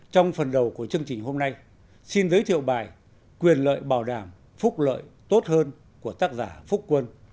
trong phần đầu của chương trình hôm nay xin giới thiệu bài quyền lợi bảo đảm phúc lợi tốt hơn của tác giả phúc quân